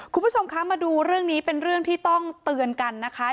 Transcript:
คุณผู้ชมคะมาดูเรื่องนี้เป็นเรื่องที่ต้องเตือนกันนะคะ